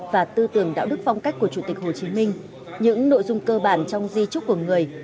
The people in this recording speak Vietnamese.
và tư tưởng đạo đức phong cách của chủ tịch hồ chí minh những nội dung cơ bản trong di trúc của người